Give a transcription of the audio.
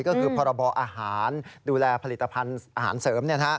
ก็คือพรบอาหารดูแลผลิตภัณฑ์อาหารเสริม